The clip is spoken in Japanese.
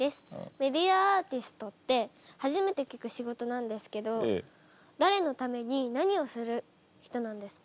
メディアアーティストって初めて聞く仕事なんですけどだれのために何をする人なんですか？